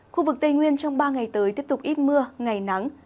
khu vực tây nguyên trong ba ngày tới tiếp tục ít mưa ngày nắng